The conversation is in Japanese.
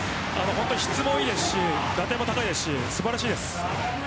質もいいですし打点も高いですし素晴らしいです。